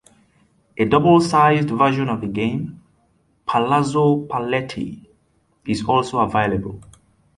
A double-size version of the game, "Palazzo Paletti", is also available.